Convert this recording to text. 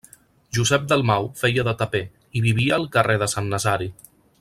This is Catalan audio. Josep Dalmau feia de taper i vivia al carrer de Sant Nazari.